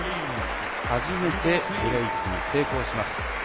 初めてブレークに成功します。